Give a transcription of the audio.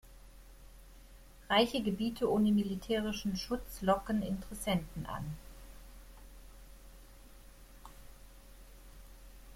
Reiche Gebiete ohne militärischen Schutz locken Interessenten an.